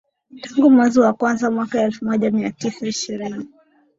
tangu mwezi wa kwanza mwaka elfu moja mia tisa ishirini